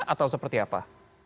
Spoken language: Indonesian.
atau seperti apa